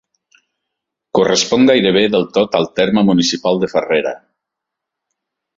Correspon gairebé del tot al terme municipal de Farrera.